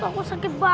aku sakit banget